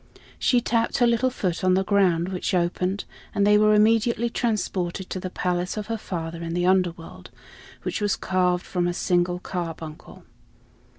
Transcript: She tapped her little foot on the ground, which opened; and they were immediately transported to the palace of her father in the Underworld, which was carved from a single carbuncle.